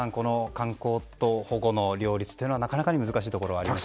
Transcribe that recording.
観光と保護の両立というのはなかなかに難しいところがありますよね。